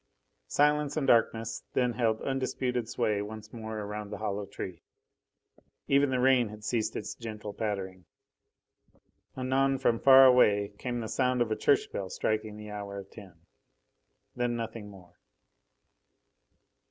Silence and darkness then held undisputed sway once more around the hollow tree. Even the rain had ceased its gentle pattering. Anon from far away came the sound of a church bell striking the hour of ten. Then nothing more.